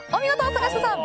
坂下さん。